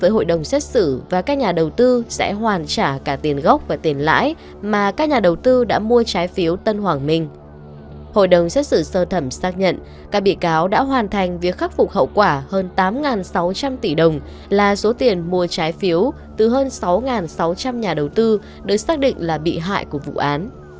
hội đồng xét xử sơ thẩm xác nhận các bị cáo đã hoàn thành việc khắc phục hậu quả hơn tám sáu trăm linh tỷ đồng là số tiền mua trái phiếu từ hơn sáu sáu trăm linh nhà đầu tư được xác định là bị hại của vụ án